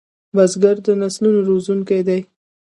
بزګر د نسلونو روزونکی دی